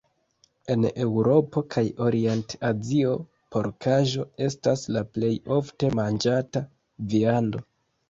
En Eŭropo kaj Orient-Azio porkaĵo estas la plej ofte manĝata viando.